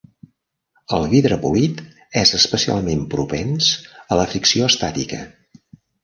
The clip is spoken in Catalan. El vidre polit és especialment propens a la fricció estàtica.